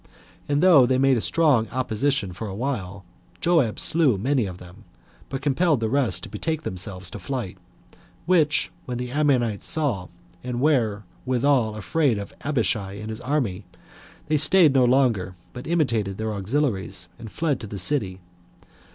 And though they made a strong opposition for a while, Joab slew many of them, but compelled the rest to betake themselves to flight; which, when the Ammonites saw, and were withal afraid of Abishai and his army, they staid no longer, but imitated their auxiliaries, and fled to the city.